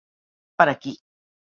Per aquí?